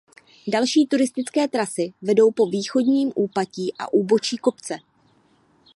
Další turistické trasy vedou po východním úpatí a úbočí kopce.